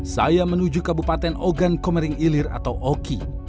saya menuju kabupaten ogan komering ilir atau oki